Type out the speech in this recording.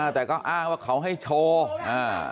แต่ก็อ้างว่าเขาให้โชว์อ่า